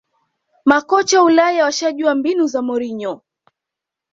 makocha wa ulaya washajua mbinu za mourinho